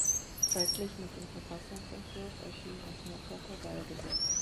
Zeitgleich mit dem Verfassungsentwurf erschien ein Erfurter Wahlgesetz.